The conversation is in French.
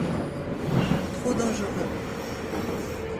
Trop dangereux.